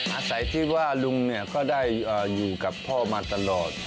อาศัยที่ว่าลุงเนี่ยก็ได้อยู่กับพ่อมาตลอด